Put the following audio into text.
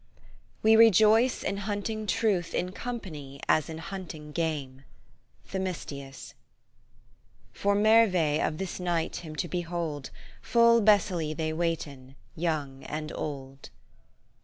We rejoices in hunting Truth in company as in hunting game." THEMISTIUS. " For mervaille of this knight him to behold, Full besily they waiten, young and old."